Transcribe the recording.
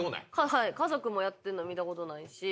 はい家族もやってんの見たことないし。